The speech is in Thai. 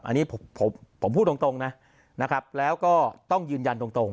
อันนี้ผมพูดตรงนะนะครับแล้วก็ต้องยืนยันตรง